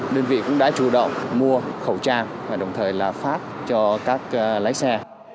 đơn vị cũng đã chủ động mua khẩu trang và đồng thời là phát cho các lái xe